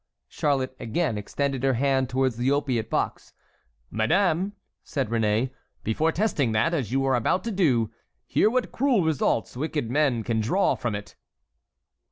Charlotte again extended her hand towards the opiate box. "Madame," said Réné, "before testing that, as you are about to do, hear what cruel results wicked men can draw from it."